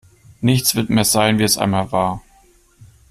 Nichts wird mehr sein, wie es einmal war.